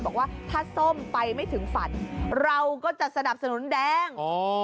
บอกว่าถ้าส้มไปไม่ถึงฝันเราก็จะสนับสนุนแดง